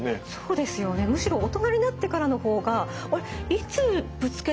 むしろ大人になってからの方があれいつぶつけたんだっけ？